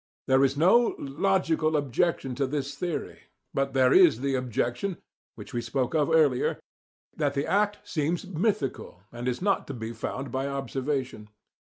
There is no LOGICAL objection to this theory, but there is the objection, which we spoke of earlier, that the act seems mythical, and is not to be found by observation.